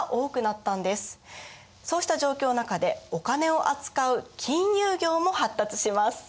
そうした状況の中でお金を扱う金融業も発達します。